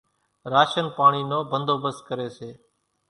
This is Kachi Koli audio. راشنَ پاڻِي نو ڀنڌوڀست ڪريَ سي۔